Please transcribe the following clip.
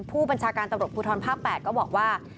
ผู้บัญชาการตำรวจภูทรภาค๘ก็บอกว่า